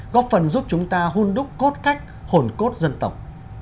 góp phần giúp chúng ta hun đúc cốt khách hồn cốt dân tộc